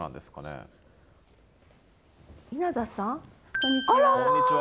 こんにちは。